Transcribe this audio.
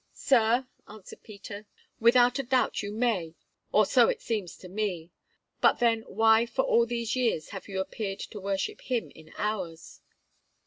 "Sir," answered Peter, "without a doubt you may, or so it seems to me. But then, why for all these years have you appeared to worship Him in ours?"